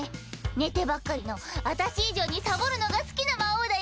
寝てばっかりの私以上にサボるのが好きな魔王だよ！